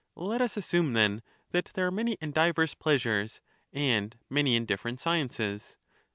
Let us assume, then, that there are many and diverse pleasures, and many and different sciences.